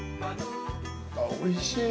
あっおいしい！